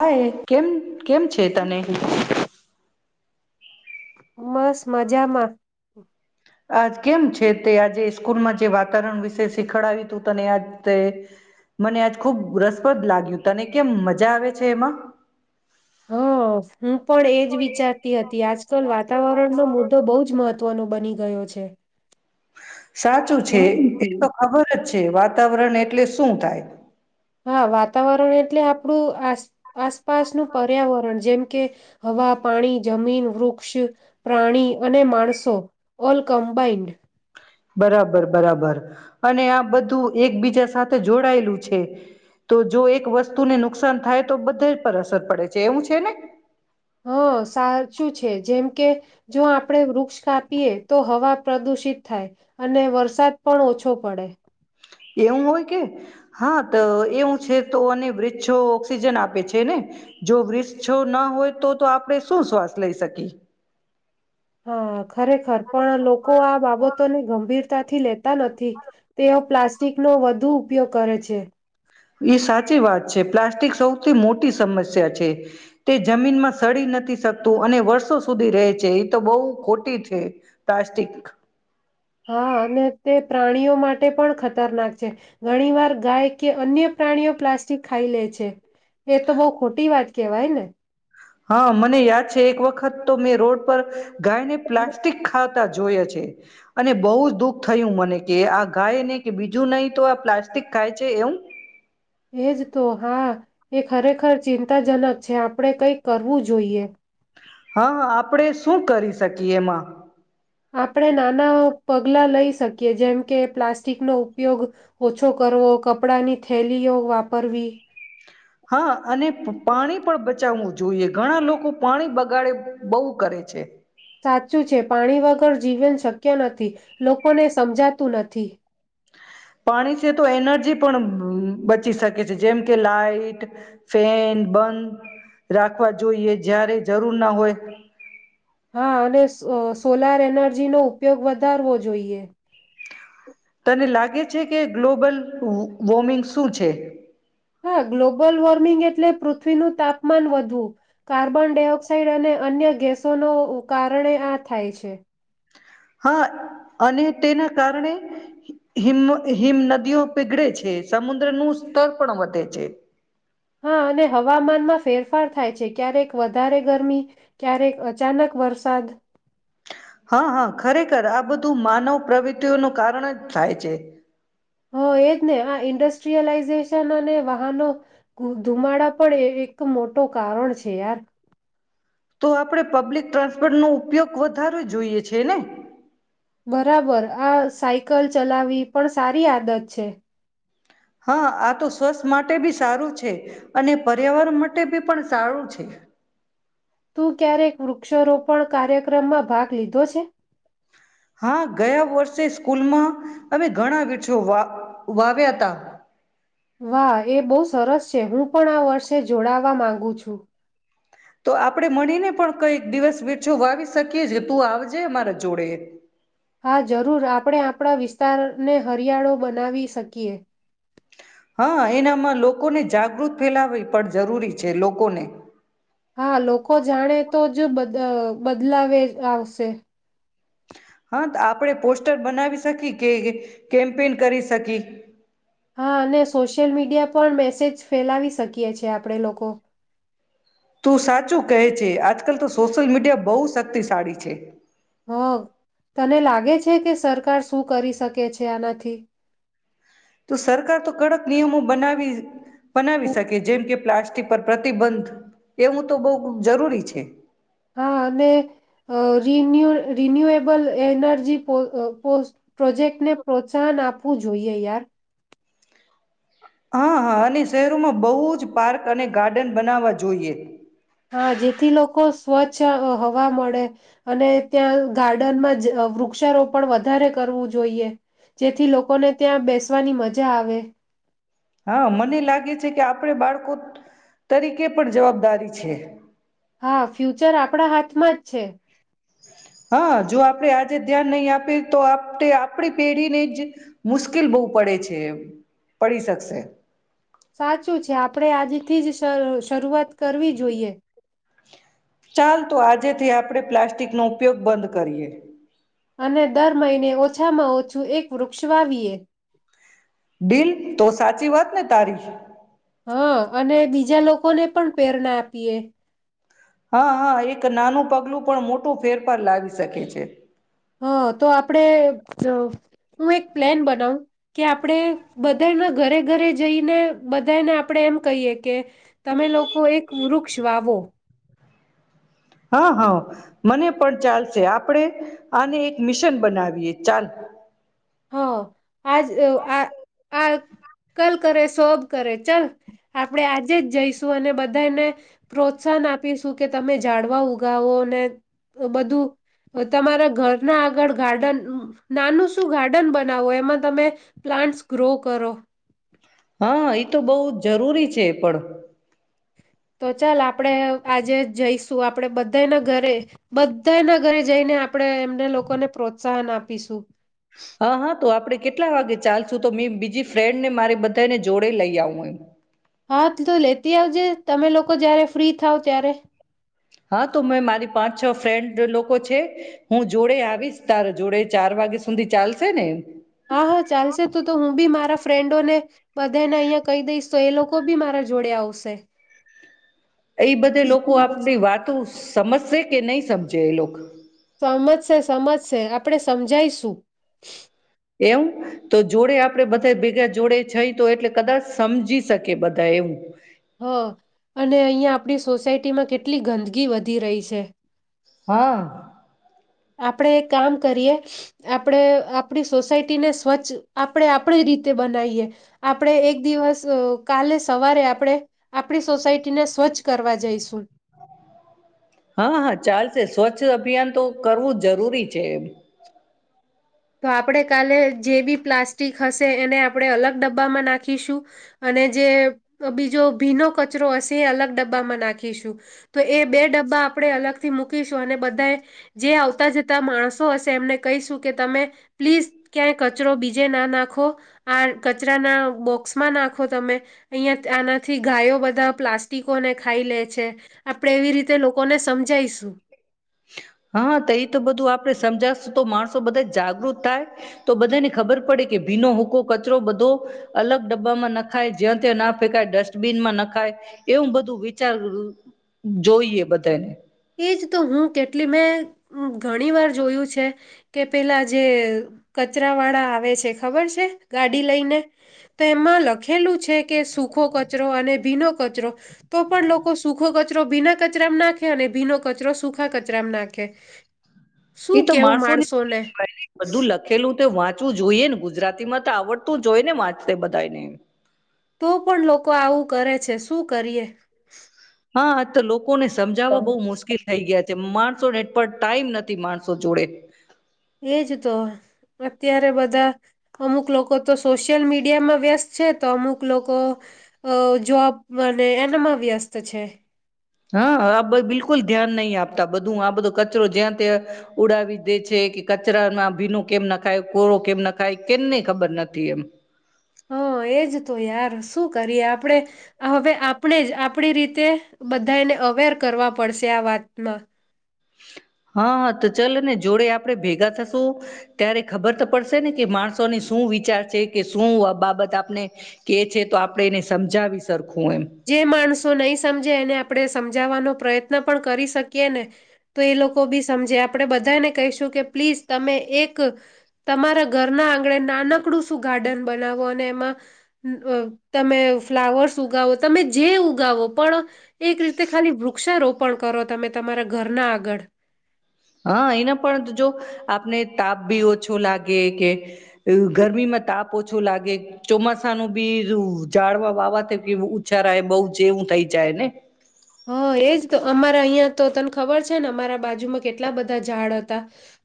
હાય, કેમ કેમ છે તને? મસ મજામાં. આ કેમ છે તે આજે સ્કૂલમાં જે વાતાવરણ વિશે શીખડાવ્યું તું, તને આ તે મને આજ ખૂબ રસપ્રદ લાગ્યું, તને કેમ મજા આવે છે, એમાં? હા, હું પણ એજ વિચારતી હતી, આજકાલ વાતાવરણનો મુદ્દો બોજ મહત્વનો બની ગયો છે. સાચું છે, એ તો ખબરજ. વાતાવરણ એટલે શું થાય? હા, વાતાવરણ એ એટલે આપણું આસ આસપાસનું પર્યાવરણ, જેમ કે હવા, પાણી, જમીન, વૃક્ષ, પ્રાણી અને માણસો, ઓલ કમ્બાઇન્ડ. બરાબર બરાબર અને આ બધું એકબીજા સાથે જોડાયેલું છે, તો જો એક વસ્તુને નુકસાન થાય, તો બધા પર અસર પડે છે એવું છે ને? હા, સાચું છે જેમ કે જો આપરે વૃક્ષ કાપીએ તો હવા પ્રદુષિત થાય અને વરસાદ પણ ઓછો પડે. એવું હોય કે હા તો એવું છે તો અને વૃક્ષો ઓક્સિજન આપે છે ને જો વૃક્ષો ના હોય તો તો આપણે શું શ્વાસ લઈ શકીએ. હા. ખરેખર પણ લોકો આ બાબતોને ગંભીરતાથી લેતા નથી તેઓ પ્લાસ્ટિક નો વધુ ઉપયોગ કરે છે. એ સાચી વાત છે પ્લાસ્ટિક સૌથી મોટી સમસ્યા છે તે જમીનમાં સડી નથી શકતું અને વર્ષો સુધી રહે છે એ તો બોઉ ખોટી છે પ્લાસ્ટિક. હા અને તે પ્રાણીઓ માટે પણ ખતરનાક છે ઘણી વાર ગાય કે અન્ય પ્રાણીઓ પ્લાસ્ટિક ખાઈ લે છે. એ તો બો ખોટી વાત. કેવાય ને. હા, મને યાદ છે એક વખત તો મેં રોડ પર ગાય ને પ્લાસ્ટિક ખા તા જોય છે અને બહુ જ દુઃખ થયું મને કે આ ગાયને કે બીજું નય તો આ પ્લાસ્ટિક ખાય છે એઉ. એજ તો હા એ ખરેખર ચિંતાજનક છે આપણે કંઈક કરવું જોઈએ. હા, આપરે શું કરી શકીએ એમાં. આપરે નાના પગલાં લઈ શકીએ જેમ કે પ્લાસ્ટિકનો ઉપયોગ ઓછો કરવો, કપડાંની થેલીઓ વાપરવી. હા, અને પાણી પણ બ ચાવું જોઈએ ઘણા લોકો પાણી બગાડે બોઉ કરે છે. સાચું છે, પાણી વગર જીવન શક્ય નથી લોકોને સમજાતું નથી. પાણી છે તો એનર્જી પણ બચી શકે છે જેમ કે લાઈટ, ફેન, બંધ રાખવા જોઈએ જ્યારે જરૂર ના હોય. હા અને સ સોલાર એનર્જી નો ઉપયોગ વધારવો જોઈએ. તને લાગે છે કે ગ્લોબલ વોર્મિંગ શું છે? હા, ગ્લોબલ વોર્મિંગ એટલે પૃથ્વીનું તાપમાન વધવું, કાર્બન ડાયોક્સાઈડ અને અન્ય ગેસોના કારણે આ થાય છે. હા, અને તેના કારણે હિમ હિમ નદીઓ પીગળે છે સમુદ્ર નું સ્તર પણ વધે છે. હા અને હવામાનમાં ફેરફાર થાય છે ક્યારેક વધારે ગરમી ક્યારેક અચાનક વરસાદ. હા હા ખરેખર આ બધું માનવ પ્રવૃત્તિઓનું કારણ જ થાય છે. હ એજ ને આ ઈન્ડ સ્ટ્રીયલાઈઝેશન અને વાહનો ધુ ધુમાડા પણ એ એક મોટું કારણ છે યાર. તો આપડે પબ્લિક ટ્રાન્સપોર્ટ નો ઉપયોગ વધારવો જોઈએ છે ને. બરાબર આ સાઈકલ ચલાવી પણ સારી આદત છે. હા આ તો સ્વસ્થ માટે બી સારું છે અને પર્યાવરણ માટે બી પણ સારું છે. તું ક્યારેક વૃક્ષારોપણ કાર્યક્રમમાં ભાગ લીધો છે. હા ગયા વર્ષે સ્કૂલમાં અમે ઘણા વૃક્ષો વા વાવ્યાતા. વાહ એ બહુ સરસ છે હું પણ આ વર્ષે જોડાવા માગુ છું. તો આપણે મળીને પણ કઈક દિવસ વેછો વાવી શકીએ જે તું આવજે મારા જોડે. હા જરૂર આપણે આપણા વિસ તારને હરિયાળો બનાવી શકીએ. હા એનામાં લોકોને જાગૃત ફેલાવી પણ જરૂરી છે લોકોને. હા લોકો જાણે તો જ બધ બદલાવે આવશે. હા તો આપણેે પોસ્ટર બનાવી શકી કે એ કેમ્પેન કરી શકી. હા અને સોશિયલ મીડિયા પણ મેસેજ ફેલાવી શકીએ છે આપણે લોકો. તું સાચું કહે છે આ કાલ તો સોશિયલ મીડિયા બહુ શક્તિશાળી છે. હ તને લાગે છ છે કે સરકાર શું કરી શકે છે આનાથી. તો સરકાર તો કડક નિયમો બનાવી બનાવી શકે જેમ કે પ્લાસ્ટિક પર પ્રતિબંધ એવું તો બહુ જરૂરી છે. હા અને અ રિન્યુ રિન્યુએબલ એનર્જી પો અ પો પ્રોજેક્ટને પ્રોત્સાહન આપવું જોઈએ યાર. હા હા અને શહેરોમાં બહુ જ પાર્ક અને ગાર્ડન બનાવવા જોઈએ. છ હવા મળે અને ત્યાં ગાર્ડનમાં જ વૃક્ષારોપણ વધારે કરવું જોઈએ જેથી લોકોને ત્યાં બેસવાની મજા આવે. હા મને લાગે છે કે આપણે બાળકો તરીકે પણ જવાબદારી છે. હા ફ્યુચર આપના હાથમાં જ છે. હા જો આપડે આજે ધ્યાન નહીં આપીએ તો આપ ટે આપણી પેઢીને જ મુશ્કેલ બહુ પડે છે પડી શકશે. સાચું છે આપણે આજથી જ શર શરૂઆત કરવી જોઈએ. ચાલ તો આજેથી આપણે પ્લાસ્ટિકનો ઉપયોગ બંધ કરીએ. અને દર મહિને ઓછામાં ઓછું એક વૃક્ષ વાવીએ. બિલ તો સાચી વાત ને તારી. હા અને બીજા લોકોને પણ પેરણા આપીએ. હા હા એક નાનું પગલું પણ મોટું ફેરફાર લાવી શકે છે. હા તો આપણેે જ હું એક પ્લેન બનાવું કે આપણે બધાને ઘરે ઘરે જઈને બધાને આપણેે એમ કહીએ કે તમે લોકો એક વૃક્ષ વાવો. હા હા મને પણ ચાલશે આપડે આને એક મિશન બનાવીએ ચાલ. હ આજ આ આ કલ કરે સબ કરે ચલ આપણેે આજે જ જઈશું અને બધાને પ્રોત્સાહન આપીશું કે તમે જાડવા ઉગાવો ને બધું તમારા ઘરના આગળ ગાર્ડન નાનું શું ગાડ બનાવો એમાં તમે પ્લાન્ટસ ગ્રો કરો. હા એ તો બહુ જરૂરી છે એ પણ. તો ચાલ આપણેે આજે જઈશું આપણેે બધાના ઘરે બધાના ઘરે જઈને આપણેે એમને લોકોને પ્રોત્સાહન આપીશું. હા હા તો આપડે કેટલા વાગે ચાલશું તો મે બીજી ફ્રેન્ડ ને મારી બધાને જોડે લઈ આવું એમ. હા તો લેતી આવજે તમે લોકો જારે ફ્રી થાવ ત્યારે. હા તો મેં મારી પાંચ છ ફ્રેન્ડ લોકો છે હું જોડે આવીશ. તાર જોડે ચાર વાગ્યા સુધી ચાલશે ને? હા હા ચાલશે તો તો હું બી મારા ફ્રેન્ડો ને બધાને અહિયા કહી દઈશ. તો એ લોકો બી મારા જોડે આવશે. એ બધે લોકો આપની વાતો સમજશે કે નહીં સમજે એ લોક? સમજશે સમજશે આપડે સમજાયશું. એમ તો જોડે આપડે બધા ભેગા જોડે જઈ તો એટલે કદાચ સમજી શકે બધા એમ. હા અને અહિયાં આપડી સોસાયટીમાં કેટલી ગંદગી વધી રહી છે. હા આપણે એ કામ કરીએ આપણે આપણી સોસાયટીને સ્વચ્છ આપણે આપણી રીતે બનાવીએ. આપણે એક દિવસ કાલે સવારે આપણે આપણી સોસાયટીને સ્વચ્છ કરવા જઈશું. હા હા ચાલશે સ્વચ્છ અભિયાન તો કરવું જ જરૂરી છે એમ. તો આપણેે કાલે જે બી પ્લાસ્ટિક હશે એને આપણે અલગ ડબ્બામાં નાખીશું અને જે બીજો ભીનો કચરો હશે એ અલગ ડબ્બામાં નાખીશું. તો એ બે ડબ્બા આપણે અલગ થી મૂકીશું અને બધાએ જે આવતા જતા માસ તો હશે એમને કહીશું કે તમે પ્લીઝ ક્યાંય કચરો બીજે ના નાખો આ કચરાના બોક્સમાં નાખો તમે. અહિયાં આનાથી ગાયો બધા પ્લાસ્ટિક કોને ખાઈ લે છે. આપણે એવી રીતે લોકોને સમજાઈશું હા તો એ તો બધું આપડે સમજા સુ તો માણસો બધા જાગૃત થાય તો બધાને ખબર પડે કે ભીનો હુકો કચરો બધો અલગ ડબ્બામાં નાખાય. જ્યાં ત્યાં ના ફેંકાય ડસ્ટબીનમાં નાખાય એવું બધું વિચારવુ જોઈએ બધે. એજ તો હું કેટલી મેં ઘણી વાર જોયું છે કે પેલા જે કચરા વાળા આવે છે ખબર છે ગાડી લઈને તેમાં લખેલું છે કે સુૂખો કચરો અને ભીનો કચરો તો પણ લોકો સુખો ક ચરો ભીના કચરામાં નાખે અને ભીનો કચરો સુખા કચરામાં નાખે. એ શું તો કેવું માણસો ને માણસોને બધું લખેલું તો વા વાંચવું જોઈએ ને ગુજરાતી માં તો આવડતું જ હોય ને વાંચતે બધાને. તો પણ લોકો આવું કરે છે. શું કરીએ? હા તો લોક લોકોને તમે સમજાવવા બહુ મુશ્કેલ થઈ ગયા માણસો ને એ પણ ટાઈમ નથી માણસો જોડે. એજ તો અત્યારે બધા અમુક લોકો તો સોશિયલ મીડિયામાં વ્યસ્ત છે તો અમુક લોકો અ જોબ અને એનામાં વ્યસ્ત છે. હા આ બ બિલકુલ ધ્યાન નહી આપતા બધું આ બધો કચરો જ્યાં ત્યાં ઉડાવી દે છે કે કચરામાં ભીનો કેમ ના ખાય કોરો કેમ ના ખાય કેમને ખબર નથી એમ. હા એજ તો યાર શું કરીએ આપડે હવે આપને જ આપડી રીતે બધાને અવેર કરવા પડશે આ વાતમાં. હા હા તો ચલ ને જોડે આપડે ભેગા થશું ત્યારે ખબર તો પડશે ને કે માણસોને શું વિચાર છે કે શું બાબત આપને કે છે તો આપડે એને સમજાવી સર જે માણસો નહી સમજે એને આપડે સમજાવવાનો પ્રયત્ન પણ કરી શકીએ ને તો એ લોકો બી સમજે આપણે બધાને કહીશું કે પ્લીઝ તમે એક તમારા ઘરના આ નાનકડું શું ગાર્ડન બનાવો અને એમાં તમે ફ્લાવર્સ ઉગાવો. તમે જે ઉગાવો પણ એક રીતે ખાલી વૃક્ષારોપ પણ કરો તમે તમારા ઘરના આગળ હા એના પણ જો આપને તાપ બી ઓછો લાગે કે ગરમીમાં તાપ ઓછો લાગે ચોમાસાનું બી જાડવા વાવા ઉછા ર બહુ જેવું થઈ જાય ને. હા એજ તો અમારા અહિયાં તો તને ખબર છે ને અમારા બાજુમાં કેટલા બધા ઝાડ હતા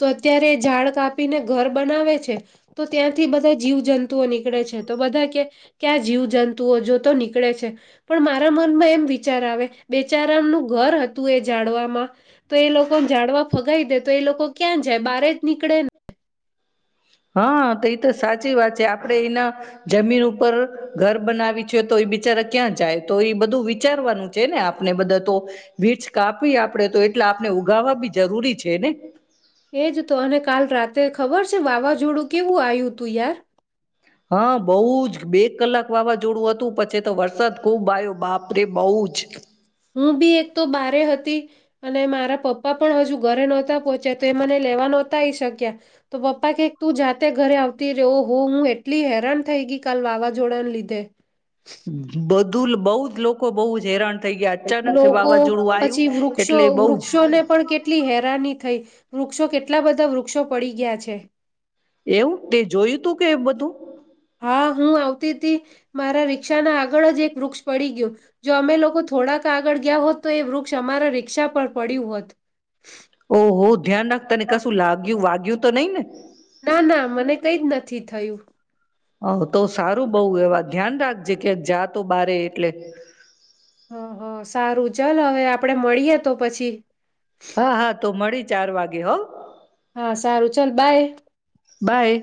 તો અત્યારે એ ઝાડ કાપીને ઘર બનાવે છે તો ત્યાંથી બધા જીવ જંતુઓ નીકળે છે તો બધા કે જીવ જંતુઓ જો તો નીકળે છે પણ મારા મનમાં એમ વિચાર આવે બેચારાામનું ઘર હતું એ જાડવાવામાં તો એ લોકો જાડવા ફગાવી દે તો એ લોકો ક્યાં જાય બારે જ નીકળે હા તો એ તો સાચી વાત છે આપણેે એના જમીન ઉપર ઘર બનાવી છે તો એ બિચારા ક્યાં જાય તો એ બધું વિચારવાનું છે ને આપણે બધા તો વીચ કાપવી આપડે તો એટલે આપણે ઉગાવા બી જરૂરી છે ને. એજ તો અને કાલ રાતે ખબર છે વાવાઝોડું કેવું આવ્યું તું યાર. હા બહુ જ બે કલાક વાવાઝોડું હતું પછી તો વરસાદ ખુબ આવ્યો બાપરે બહ જ. હું બી એક તો બારે હતી અને મારા પપ્પા પણ હજુ ઘરે નહોતા પહોંચ્યા તો એ મને લેવા નહોતા આઈ શક્યા તો પપ્પા કે કે તું જાતે ઘરે આવતી રહ હો હું એટલી હેરાન થઈ ગઈ કાલ વાવાઝોડાને લીધે બધું બઉુ જ લોકો બહુ હેરાન થઈ ગયા અચાનક લોકો વાવાઝોડું આવ્યું પછી વૃક્ષો એટલે બહુ વૃક્ષોને પણ કેટલી હેરાન થઈ વૃક્ષો કેટલા બધા વૃક્ષો પડી ગયા છે. એવું તે જોયું તું કે બધું? હા હું આવતીથી મારા રિક્ષાના આગળ જ એક વૃક્ષ પડી ગયો. જો અમે લોકો થોડાક આગળ ગયા હોત તો એ વૃક્ષ અમારા રિક્ષા પર પડ્યું હોત. ઓહ વોહ ધ્યાન રાખતા ને કશું લાગ્યું વાગ્યું વાત તો નહી ને ના ના મને કઈ જ નથી થયું. હ તો સારું બઉ એવા ધ્યાન રાખે જગ્યા જાતો બારે એટલે હ હ સારું ચલ હવે આપડે મળીએ તો પછી હા હા તો મળી જ ચાર વાગે હો. હા સારું છે બાય. બાય